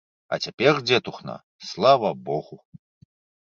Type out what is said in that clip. А цяпер, дзетухна, слава богу.